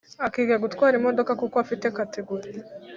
Akiga gutwara imodoka kuko afite category